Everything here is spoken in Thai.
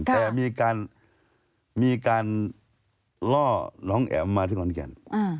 แต่มีการล่อน้องแอ๋มมาที่ขอนแก่น